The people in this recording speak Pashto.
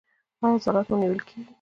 ایا عضلات مو نیول کیږي؟